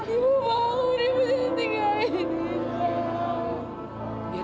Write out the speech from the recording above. ibu bangun ibu tidak bisa tinggalin